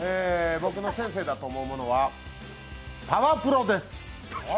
僕の先生だと思うのは「パワプロ」です。